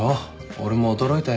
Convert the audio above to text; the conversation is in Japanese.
俺も驚いたよ。